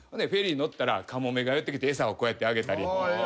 フェリー乗ったらカモメが寄ってきて餌をこうやってあげたり。